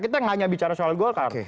kita nggak hanya bicara soal golkar